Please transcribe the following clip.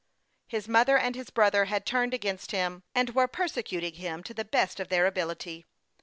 His mother and his brother had turned against him, and were persecuting him to the best of their ability.